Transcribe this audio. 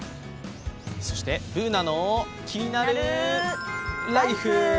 そして「ＢｏｏｎａのキニナルＬＩＦＥ」。